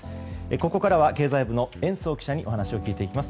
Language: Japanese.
ここからは経済部の延増記者にお話を聞いていきます。